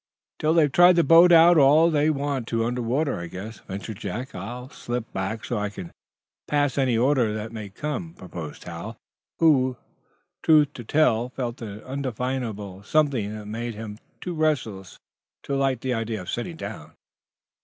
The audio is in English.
"Till they've tried the boat out all they want to under water, I guess," ventured Jack. "I'll slip back, so I can pass any order that may come," proposed Hal, who, truth to tell, felt an undefinable something that made him too restless to like the idea of sitting down.